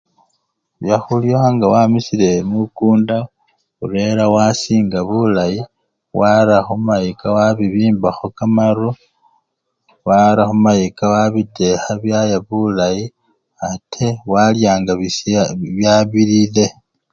Byakhulya nga wamisile mukunda urera wasinga bulayi wara khumayika wabibimbakho kamaru wara khumayika wabitekha byaya bulayi ate walya nga bisya! byabilile.